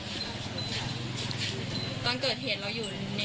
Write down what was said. เลิกอยู่แถวนี้มั้ย